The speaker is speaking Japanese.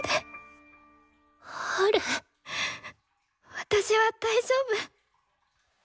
私は大丈夫。